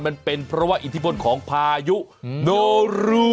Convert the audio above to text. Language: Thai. มันเป็นเพราะว่าอิทธิพลของพายุโนรู